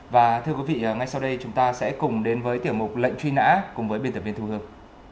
và thưa quý vị ngay sau đây chúng ta sẽ cùng đến với tiểu mục lệnh truy nã cùng với biên tập viên thu hương